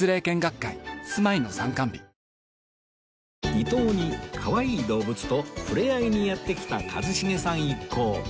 伊東に可愛い動物と触れ合いにやって来た一茂さん一行